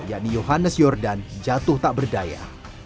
yakni johannes yordan jatuh tak berdaya